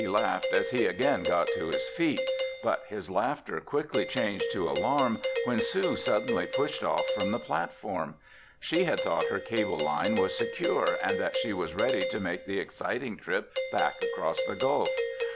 He laughed as he again got to his feet but his laughter quickly changed to alarm when Sue suddenly pushed off from the platform. She had thought her cable line was secure and that she was ready to make the exciting trip back across the gulf.